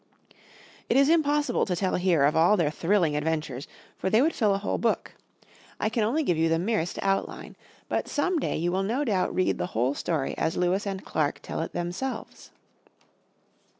It is impossible to tell here of all their thrilling adventures, for they would fill a whole book. I can only give you the merest outline. But some day you will no doubt read the whole story as Lewis and Clark tell it themselves.